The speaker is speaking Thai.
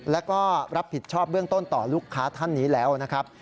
แล้วก็รับผิดชอบเบื้องต้นต่อลูกค้าท่านนี้แล้วนะครับ